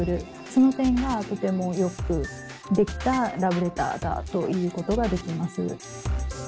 その点がとてもよくできたラブレターだということができます。